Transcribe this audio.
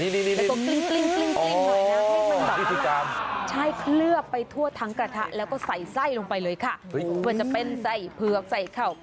กระทิกกลิ้งหน่อยนะกะทิกกลิ้งออกไปทั่วทั้งกระทะแล้วใส่ไส้เลยค่ะ